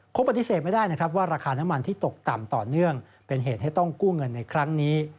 ปฏิเสธไม่ได้นะครับว่าราคาน้ำมันที่ตกต่ำต่อเนื่องเป็นเหตุให้ต้องกู้เงินในครั้งนี้